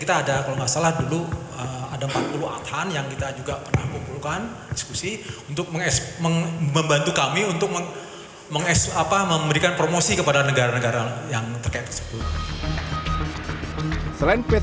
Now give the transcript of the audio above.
kita ada kalau nggak salah dulu ada empat puluh atan yang kita juga pernah kumpulkan diskusi untuk membantu kami untuk memberikan promosi kepada negara negara yang terkait tersebut